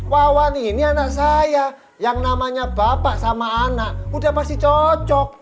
wawan ini anak saya yang namanya bapak sama anak udah pasti cocok